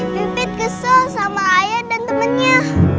pipit kesel sama ayah dan temennya